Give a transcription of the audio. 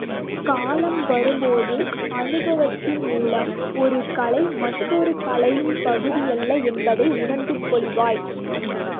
காலம் வரும்போது அனுபவத்தின் மூலம், ஒரு கலை, மற்றொரு கலையின் பகுதியல்ல என்பதை உணர்ந்து கொள்வாய்.